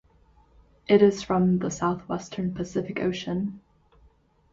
It is from the southwestern Pacific Ocean.